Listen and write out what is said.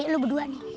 kamu tadi dapat android